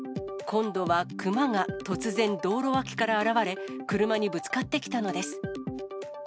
今度はクマが、突然、道路脇から現れ、車にぶつかってきたのです。